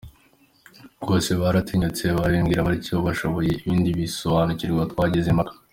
Rwose, baratinyutse barabimbwira batyo, bashobewe ibindi bansobanurira, twagize impaka.